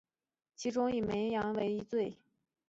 其中以杨梅为一最。